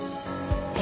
え？